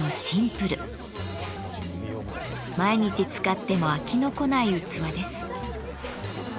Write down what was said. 毎日使っても飽きの来ない器です。